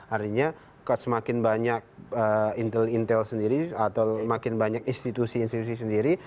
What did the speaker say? artinya semakin banyak intel intel sendiri atau makin banyak institusi institusi sendiri